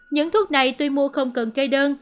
những thuốc này tuy mua không cần cây đơn